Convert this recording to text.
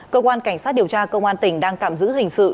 cơ quan cảnh sát điều tra công an tỉnh đang tạm giữ hình sự